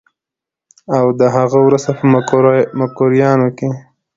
او د هغه وروسته په مکروریانو کې